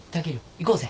行こうぜ。